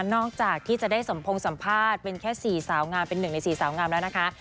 ที่จะได้สมพงษ์สัมภาษณ์เป็นแค่๔สาวงามเป็น๑ใน๔สาวงามแล้วนะคะ